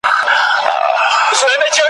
دوست ته حال وایه دښمن ته لاپي `